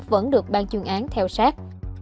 vẫn được bàn truyền án theo sát